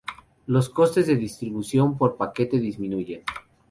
Los costes de distribución por paquete disminuyen.